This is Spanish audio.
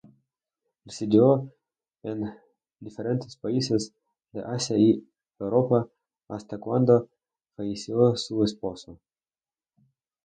Residió en diferentes países de Asia y Europa hasta cuando falleció su esposo.